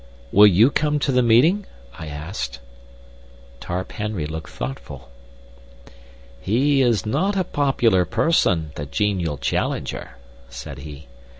"Will you come to the meeting?" I asked. Tarp Henry looked thoughtful. "He is not a popular person, the genial Challenger," said he.